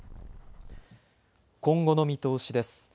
今後の見通しです。